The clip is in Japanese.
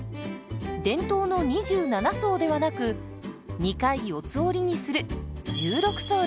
伝統の２７層ではなく２回四つ折りにする１６層です。